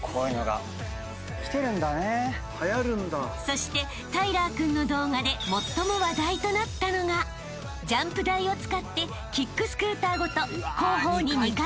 ［そしてタイラー君の動画で最も話題となったのがジャンプ台を使ってキックスクーターごと］